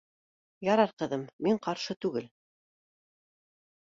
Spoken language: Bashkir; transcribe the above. — Ярар, ҡыҙым, мин ҡаршы түгел